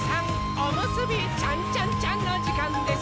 おむすびちゃんちゃんちゃんのじかんです！